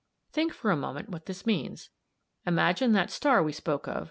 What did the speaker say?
"Think for a moment what this means. Imagine that star we spoke of (p.